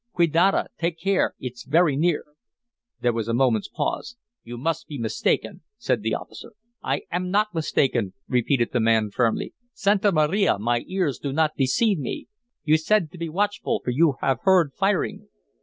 "Quidada! Take care! It's very near." There was a moment's pause. "You must be mistaken," said the officer. "I am not mistaken," repeated the man firmly. "Santa Maria, my ears do not deceive me. You said to be watchful, for you have heard firing."